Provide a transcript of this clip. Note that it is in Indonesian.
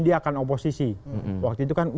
dia akan oposisi waktu itu kan